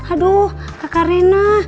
aduh kakak rena